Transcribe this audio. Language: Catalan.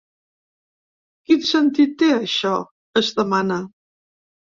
Quin sentit té, això?, es demana.